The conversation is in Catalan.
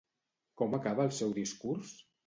Com acaba el seu discurs?